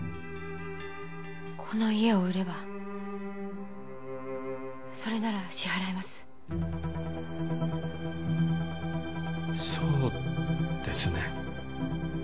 この家を売ればそれなら支払えますそうですね